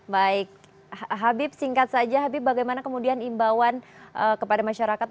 baik habib singkat saja habib bagaimana kemudian imbauan kepada masyarakat